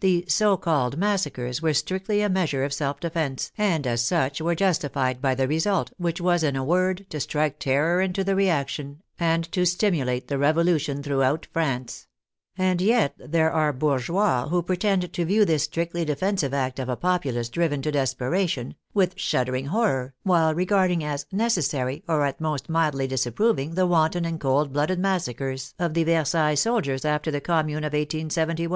The so called massacres were strictly a measure of self defence, and as such were justified by the result, which was, in a word, to strike terror into the reaction, and to stimulate the Revolution throughout France ; and 46 THE FRENCH REVOLUTION yet there are bourgeois who pretend to view this strictly defensive act of a populace driven to desperation, with shuddering horror, while regarding as " necessary," or at most mildly disapproving the wanton and cold blooded massacres of the Versailles soldiers after the Commune of 1 87 1.